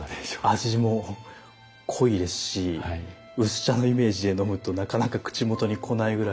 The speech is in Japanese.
味も濃いですし薄茶のイメージで飲むとなかなか口元に来ないぐらい。